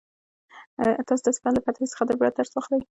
تاسو د اصفهان له فتحې څخه د عبرت درس واخلئ.